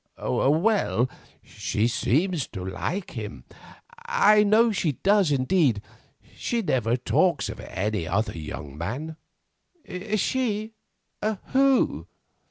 "Well—she seems to like him. I know she does indeed. She never talks of any other young man." "She? Who?"